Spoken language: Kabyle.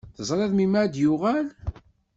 Teẓriḍ melmi ara d-yuɣal?